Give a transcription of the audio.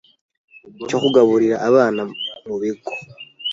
cyo kugaburira abana mu bigo